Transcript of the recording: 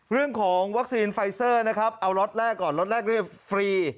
เรื่องของวัคซีนไฟเซอร์นะครับเอาล็อตแรกก่อนล็อตแรกเรียกฟรี